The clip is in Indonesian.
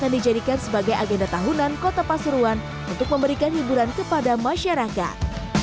akan dijadikan sebagai agenda tahunan kota pasuruan untuk memberikan hiburan kepada masyarakat